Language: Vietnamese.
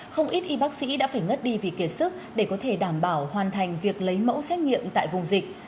không ít y bác sĩ đã phải ngất đi vì kiệt sức để có thể đảm bảo hoàn thành việc lấy mẫu xét nghiệm tại vùng dịch